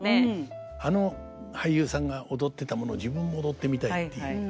あの俳優さんが踊ってたものを自分も踊ってみたいっていう。